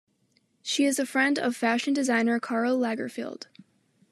She is a friend of fashion designer Karl Lagerfeld.